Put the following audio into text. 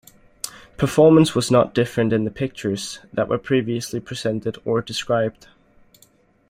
Performance was not different in the pictures that were previously presented or described.